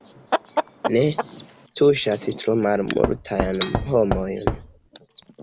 Ne, tuŝas tro malmultajn homojn.